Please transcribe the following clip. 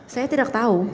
saya tidak tahu